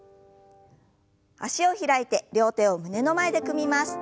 脚を開いて両手を胸の前で組みます。